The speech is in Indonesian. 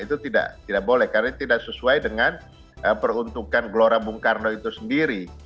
itu tidak boleh karena tidak sesuai dengan peruntukan gelora bung karno itu sendiri